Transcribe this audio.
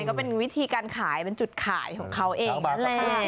ก็เป็นวิธีการขายเป็นจุดขายของเขาเองนั่นแหละ